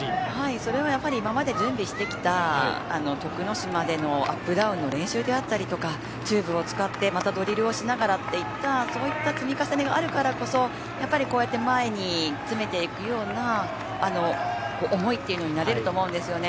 それはやはり今まで準備してきた徳之島でのアップダウンの練習であったりとかチューブを使ってというそういった積み重ねがあるからこそやっぱりこうやって前に詰めていくような思いというのになれると思うんですよね。